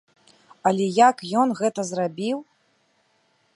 Але як ён гэта зрабіў?